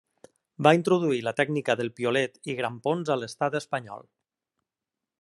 Va introduir la tècnica del piolet i grampons a l'Estat espanyol.